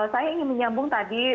saya ingin menyambung tadi